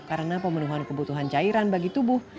karena pemenuhan kebutuhan cairan bagi tubuh